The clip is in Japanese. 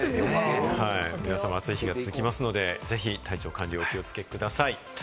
皆さま、暑い日が続きますので、ぜひ体調管理、お気をつけください。